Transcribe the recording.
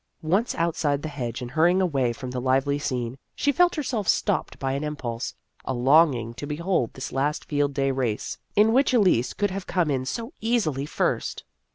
Once out side the hedge and hurrying away from For the Honor of the Class 1 73 the lively scene, she felt herself stopped by an impulse a longing to behold this last Field Day race in which Elise could have come in so easily first.